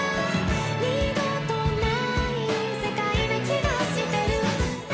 「二度とない世界な気がしてる」